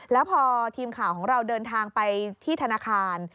แล้วพอทีมข่าวของเราเดินทางไปที่ธนาคาร